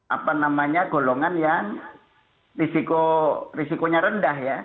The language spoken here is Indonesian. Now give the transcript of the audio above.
apa namanya golongan yang risikonya rendah ya